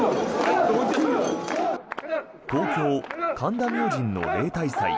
東京・神田明神の例大祭